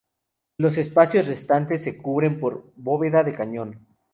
Los espacios restantes se cubren por bóveda de cañón.